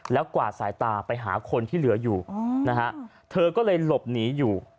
แล้วกวาดสายตาไปหาคนที่เหลืออยู่นะฮะเธอก็เลยหลบหนีอยู่